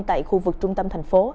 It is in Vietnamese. tại khu vực trung tâm thành phố